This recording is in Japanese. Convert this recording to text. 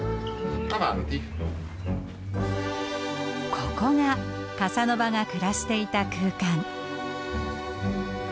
ここがカサノバが暮らしていた空間。